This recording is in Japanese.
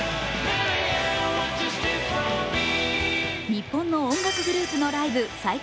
日本の音楽グループのライブ最多